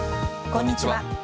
こんにちは。